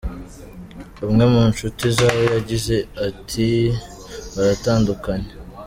Umwe mu nshuti zabo yagize ati “Baratandukanye.